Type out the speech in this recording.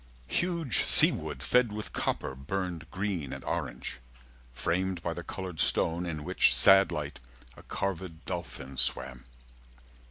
Huge sea wood fed with copper Burned green and orange, framed by the coloured stone, In which sad light a carvèd dolphin swam.